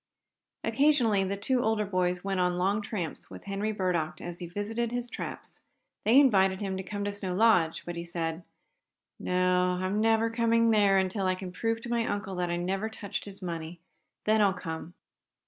Occasionally the two older boys went on long tramps with Henry Burdock as he visited his traps. They invited him to come to Snow Lodge, but he said: "No, I'm never coming there until I can prove to my uncle that I never touched his money. Then I'll come."